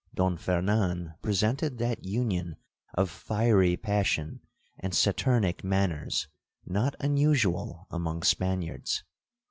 Don Fernan presented that union of fiery passion and saturnic manners not unusual among Spaniards.